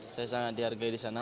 saya sangat dihargai disana